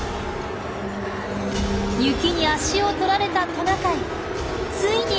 雪に足を取られたトナカイ。